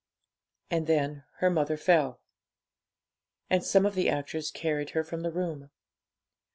And then her mother fell, and some of the actors carried her from the room.